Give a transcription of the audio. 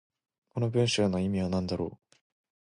この文章の意味は何だろう。